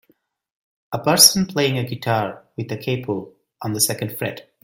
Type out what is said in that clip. A person playing a guitar with a capo on the second fret.